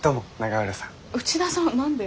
内田さん何で？